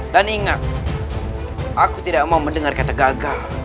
dan ingat aku tidak mau mendengar kata gagal